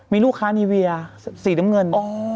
มีลูกค้านีเวียสีน้ำเงิน